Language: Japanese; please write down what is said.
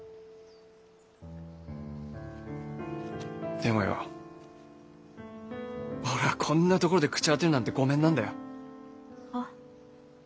でもよ俺ぁこんなところで朽ち果てるなんてごめんなんだよ。は？